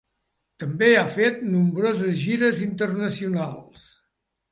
També ha fet nombroses gires internacionals.